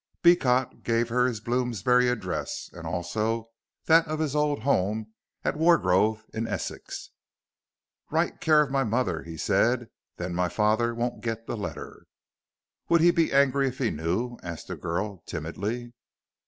Beecot gave her his Bloomsbury address, and also that of his old home at Wargrove in Essex. "Write care of my mother," he said, "and then my father won't get the letter." "Would he be angry if he knew?" asked the girl, timidly.